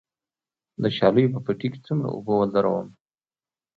د شالیو په پټي کې څومره اوبه ودروم؟